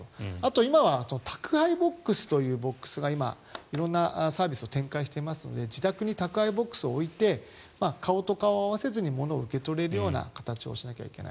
今は宅配ボックスという今、色んなサービスを展開していますので自宅に宅配ボックスを置いて顔と顔を合わせずにものを受け取れる形にしないといけない。